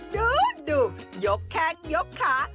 ดูดูยกแข็งยกขา